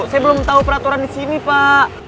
saya belum tau peraturan disini pak